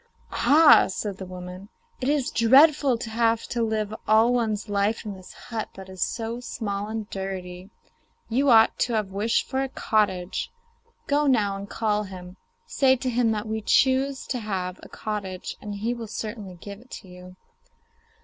'Ah!' said the woman, 'it's dreadful to have to live all one's life in this hut that is so small and dirty; you ought to have wished for a cottage. Go now and call him; say to him that we choose to have a cottage, and he will certainly give it you.